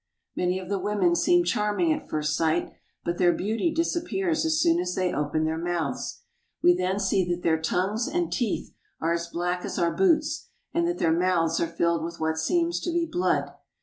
Many of the women seem charming at first sight, but their beauty disappears as soon as they open their mouths. INDO CHINA 185 We then see that their tongues and teeth are as black as our boots, and that their mouths are filled with what seems to be blood.